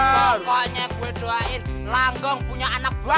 pokoknya gue doain langgeng punya anak banyak